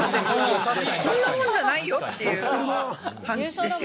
こんなもんじゃないよっていう感じですよ。